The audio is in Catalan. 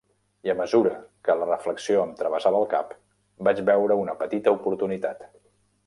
I a mesura que la reflexió em travessava el cap, vaig veure una petita oportunitat.